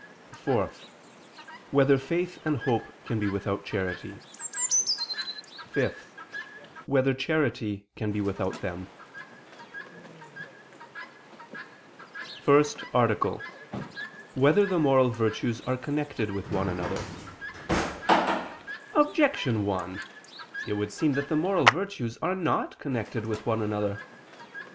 (4) Whether faith and hope can be without charity? (5) Whether charity can be without them? ________________________ FIRST ARTICLE [I II, Q. 65, Art. 1] Whether the Moral Virtues Are Connected with One Another? Objection 1: It would seem that the moral virtues are not connected with one another.